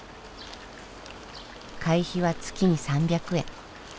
会費は月に３００円。